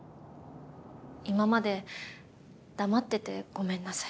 今まで黙っててごめんなさい。